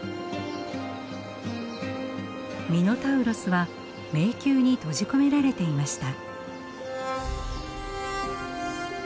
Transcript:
ミノタウロスは迷宮に閉じ込められていました。